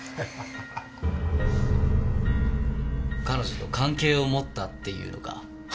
彼女と関係を持ったっていうのか？